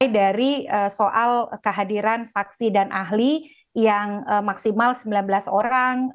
dari soal kehadiran saksi dan ahli yang maksimal sembilan belas orang